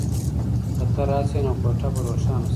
که ته راشې نو کوټه به روښانه شي.